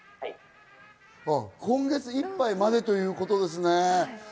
今月いっぱいまでということですね。